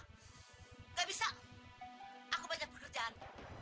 nggak bisa aku banyak bekerjaan